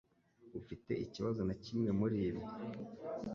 Ufite ikibazo na kimwe muribi